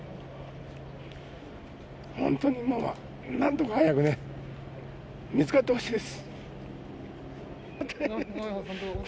本当に今はなんとか早くね、見つかってほしいです。